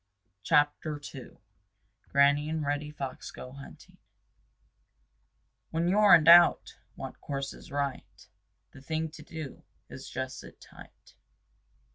CHAPTER II Granny And Reddy Fox Go Hunting When you're in doubt what course is right, The thing to do is just sit tight.